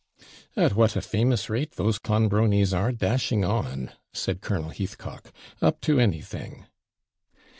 'At what a famous rate those Clonbronies are dashing on,' said Colonel Heathcock. 'Up to anything.'